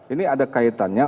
ini ada kaitannya